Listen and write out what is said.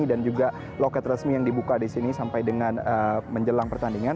dan juga loket resmi yang dibuka di sini sampai dengan menjelang pertandingan